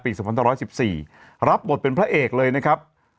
๒๑๑๔รับบทเป็นพระเอกเลยนะครับ